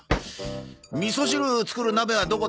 みそ汁作る鍋はどこだ？